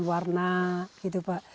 membedakan warna gitu pak